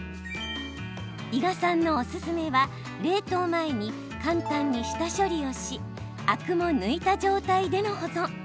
伊賀さんのおすすめは冷凍前に簡単に下処理をしアクも抜いた状態での保存。